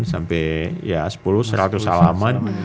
sampai ya sepuluh seratus halaman